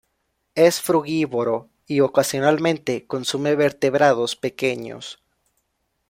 Es frugívoro y ocasionalmente consume vertebrados pequeños.